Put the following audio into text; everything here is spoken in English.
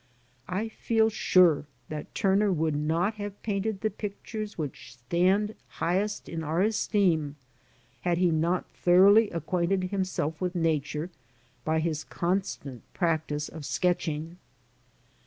I feel PAINTING FROM NATURE. 107 sure that Turner would not have painted the pictures which stand highest in our esteem, had he not thoroughly acquainted himself with Nature by his constant practice of sketching.